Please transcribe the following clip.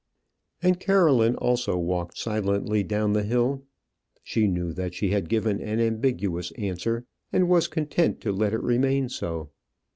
And Caroline also walked silently down the hill. She knew that she had given an ambiguous answer, and was content to let it remain so.